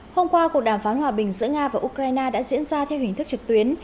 hôm qua cuộc đàm phán hòa bình giữa nga và ukraine đã diễn ra theo hình thức trực tuyến